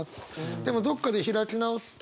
でもどっかで開き直って。